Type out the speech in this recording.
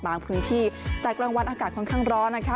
พื้นที่แต่กลางวันอากาศค่อนข้างร้อนนะคะ